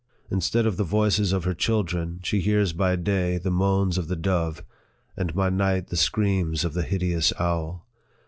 Instead of the voices of her children, she hears by day the moans of the dove, and by night the screams of the hideous owl.